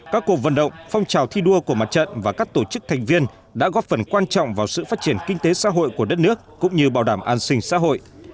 các cuộc vận động phong trào thi đua của mặt trận và các tổ chức thành viên đã góp phần quan trọng vào sự phát triển kinh tế xã hội của đất nước cũng như bảo đảm an sinh xã hội